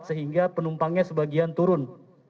sehingga penumpangnya sebagian turun